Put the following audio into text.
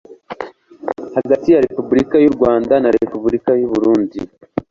hagati ya repubulika y'u rwanda na repubulika y'u burundi